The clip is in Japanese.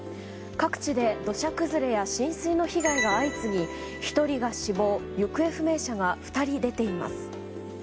各地で土砂崩れや浸水の被害が相次ぎ１人が死亡行方不明者が２人出ています。